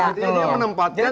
jadi dia menempatkan